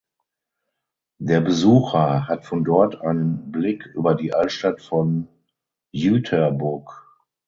Der Besucher hat von dort einen Blick über die Altstadt von Jüterbog.